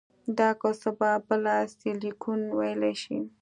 دا کوڅه به بله سیلیکون ویلي شي